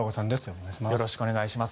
お願いします。